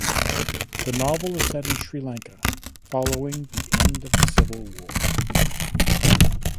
The novel is set in Sri Lanka following the end of the Civil War.